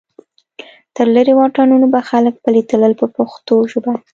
تر لرې واټنونو به خلک پلی تلل په پښتو ژبه.